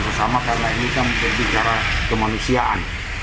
saya berharap dengan kemampuan sesama karena ini kan penting secara kemanusiaan